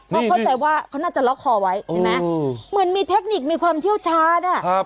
เพราะเข้าใจว่าเขาน่าจะล็อกคอไว้เห็นไหมเหมือนมีเทคนิคมีความเชี่ยวชาญ